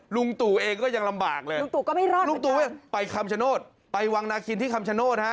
ลุงตู่เองก็ยังลำบากเลยนะครับลุงตู่ไปคำชโนธไปวังนาคินที่คำชโนธ